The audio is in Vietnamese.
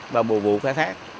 và mùa vụ khai thác